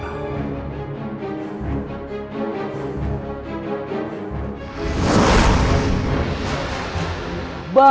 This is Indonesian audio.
jahgat dewa batara